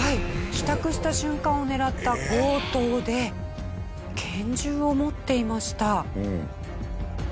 帰宅した瞬間を狙った強盗で拳銃を持っていました。